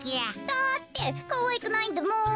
だってかわいくないんだもん。